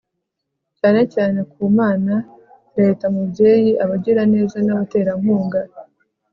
cyane cyane ku mana, leta mubyeyi, abagiraneza n'abaterankunga